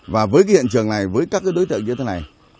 và với cái hiện trường này với các cái đối tượng như thế này